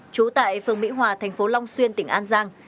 trú tại phường mỹ hòa thành phố long xuyên tỉnh an giang